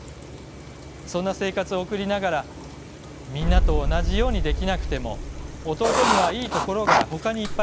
そんな生活を送りながらみんなと同じようにできなくても弟にはいいところがほかにいっぱいある。